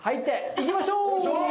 いきましょう！